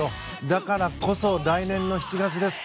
だからこそ、来年の７月です。